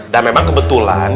dan memang kebetulan